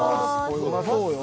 うまそうよ